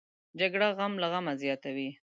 جګړه غم له غمه زیاتوي